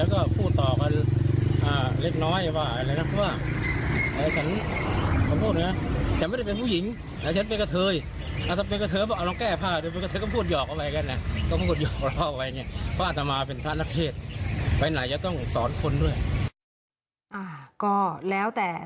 ก็แล้วแต่